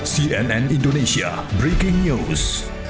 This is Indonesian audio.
cnn indonesia breaking news